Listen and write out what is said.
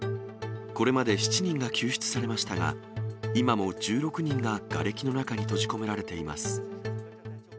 これまで７人が救出されましたが、今も１６人ががれきの中に閉じ込められています。